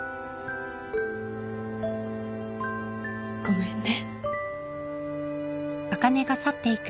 ごめんね。